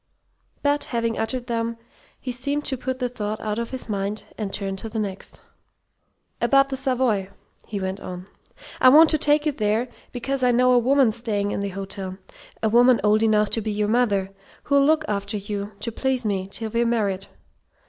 But, having uttered them, he seemed to put the thought out of his mind, and turn to the next. "About the Savoy," he went on. "I want to take you there, because I know a woman staying in the hotel a woman old enough to be your mother who'll look after you, to please me, till we're married.